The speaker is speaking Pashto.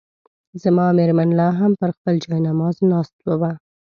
زما مېرمن لا هم پر خپل جاینماز ناست وه.